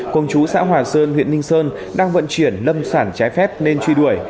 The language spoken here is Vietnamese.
cùng chú xã hòa sơn huyện ninh sơn đang vận chuyển lâm sản trái phép nên truy đuổi